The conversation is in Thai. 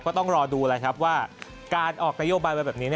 ก็ต้องรอดูว่าการออกนโยบายแบบนี้